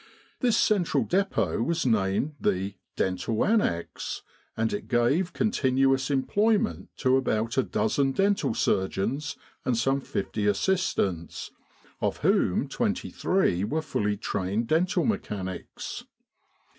This central depot was named the Dental Annexe, and it gave continuous employ ment to about a dozen dental surgeons, and some fifty assistants, of whom twenty three were fully trained dental mechanics.